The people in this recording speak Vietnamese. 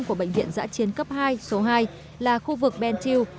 của bệnh viện giã chiến cấp hai số hai là khu vực bentiu